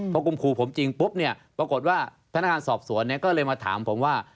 พอกลุ่มครูผมจริงปุ๊บเนี่ยปรากฏว่าพนักงานสอบสวนก็เลยมาถามผมว่า